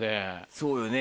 そうよね。